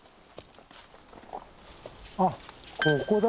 あっここだ。